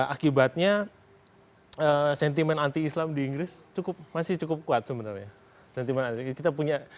akibatnya sentimen anti islam di inggris masih cukup kuat sebenarnya